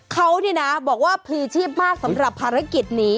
เขานี่นะบอกว่าพลีชีพมากสำหรับภารกิจนี้